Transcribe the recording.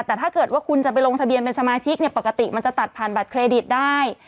แต่ถ้าเกิดว่าคุณจะไปลงทะเบียนเป็นสมาชิกเนี่ยปกติมันจะตัดผ่านบัตรเครดิตได้